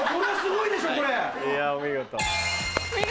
いやお見事。